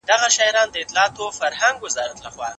آیا د قمرۍ دا نوی خلی به د ځالۍ په جوړولو کې مرسته وکړي؟